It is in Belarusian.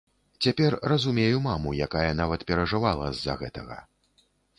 Цяпер разумею маму, якая нават перажывала з-за гэтага.